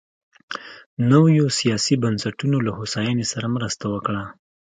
نویو سیاسي بنسټونو له هوساینې سره مرسته وکړه.